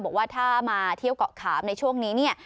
บอกว่าถ้ามาเที่ยวก่อกขาบในช่วงนี้